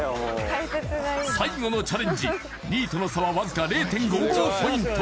最後のチャレンジ２位との差はわずか０．５５ポイント